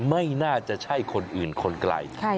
ไม่น่าจะใช่คนอื่นคนไกล